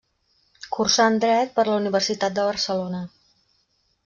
Cursant Dret per la Universitat de Barcelona.